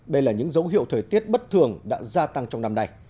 đây là những dấu hiệu thời tiết bất thường đã gia tăng trong năm nay